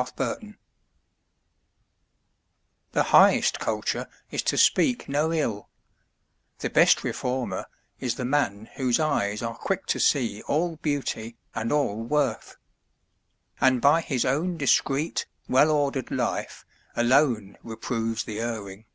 TRUE CULTURE The highest culture is to speak no ill, The best reformer is the man whose eyes Are quick to see all beauty and all worth; And by his own discreet, well ordered life, Alone reproves the erring.